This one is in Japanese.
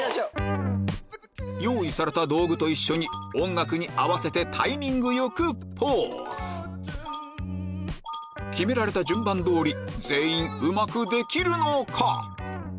用意された道具と一緒に音楽に合わせてタイミング良くポーズ決められた順番通り全員うまくできるのか？